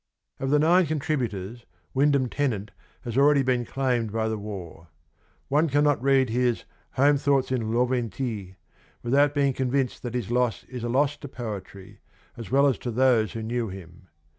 Of the nine contributors Wyndham Tennant has already been claimed by the war. One cannot read his ' Home Thoughts in Laventie ' without being convinced that his loss is a loss to poetry as well as to those who knew him.